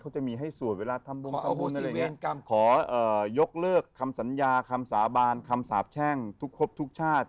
คำสัญญาคำสาบานคำสาบแช่งทุกครบทุกชาติ